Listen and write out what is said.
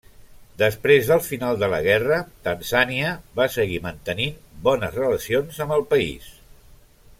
Després del final de la guerra, Tanzània va seguir mantenint bones relacions amb el país.